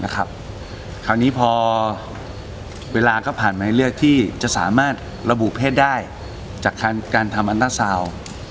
คราวนี้พอเวลาก็ผ่านมาให้เลือกที่จะสามารถระบุเพศได้จากการทำอันตราซาวน์